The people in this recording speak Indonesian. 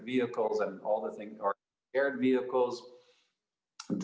mobil atau teknologi yang berbeda